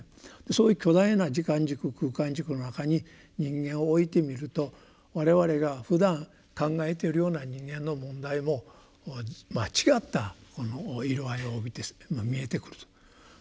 そういう巨大な時間軸空間軸の中に人間を置いてみると我々がふだん考えているような人間の問題も違った色合いを帯びて見えてくると。